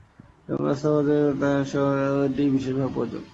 জনগণের আস্থা অর্জনে এবং তাদের সহযোগিতা পাওয়ার লক্ষ্যেই এটি বিশেষভাবে প্রয়োজন।